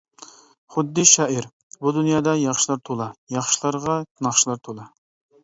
خۇددى شائىر: بۇ دۇنيادا ياخشىلار تولا، ياخشىلارغا ناخشىلار تولا.